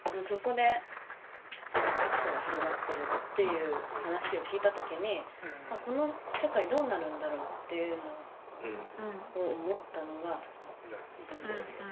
そこで何か格差が広がってるっていう話を聞いた時にあっこの社会どうなるんだろうっていうのを思ったのが。